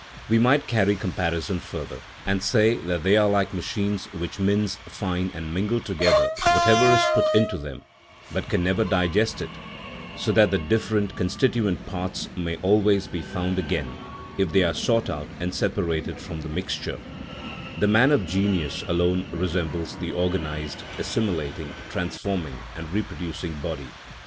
We might carry comparison further, and say that they are like machines which mince fine and mingle together whatever is put into them, but can never digest it, so that the different constituent parts may always be found again if they are sought out and separated from the mixture; the man of genius alone resembles the organised, assimilating, transforming and reproducing body.